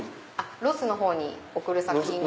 ロスのほうに送る作品が。